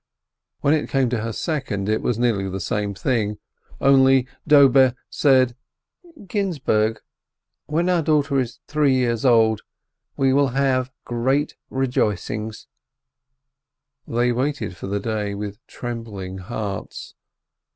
When it came to her second, it was nearly the same thing, only Dobe said, "Ginzburg, when our daughter is three years old, then we will have great rejoicings I" They waited for the day with trembling hearts.